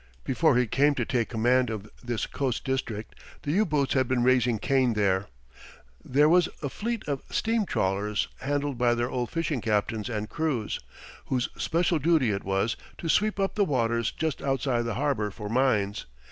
Before he came to take command of this coast district the U boats had been raising Cain there. There was a fleet of steam trawlers handled by their old fishing captains and crews, whose special duty it was to sweep up the waters just outside the harbor for mines.